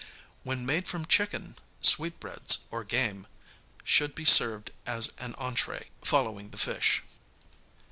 When made from chicken, sweetbreads or game, should be served as an entrķe, following the fish.